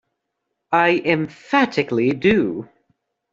I emphatically do.